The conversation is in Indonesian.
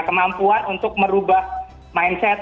kemampuan untuk merubah mindset